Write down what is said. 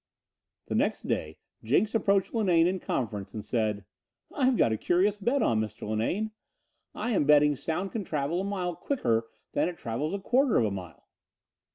The next day Jenks approached Linane in conference and said: "I've got a curious bet on, Mr. Linane. I am betting sound can travel a mile quicker than it travels a quarter of a mile."